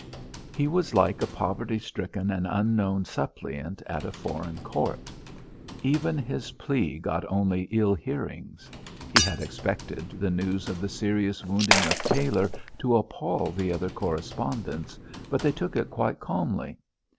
He was like a poverty stricken and unknown suppliant at a foreign Court. Even his plea got only ill hearings. He had expected the news of the serious wounding of Tailor to appal the other correspondents, but they took it quite calmly.